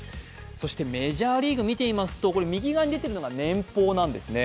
そしてメジャーリーグ見てみますと、右側に出ているのが年俸なんですね。